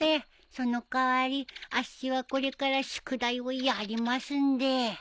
その代わりあっしはこれから宿題をやりますんで。